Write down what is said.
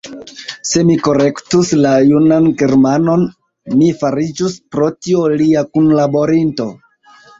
Se mi korektus la junan Germanon, mi fariĝus, pro tio, lia kunlaborinto.